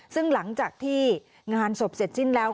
ซึ่งหลังจากที่งานศพเสร็จสิ้นแล้ว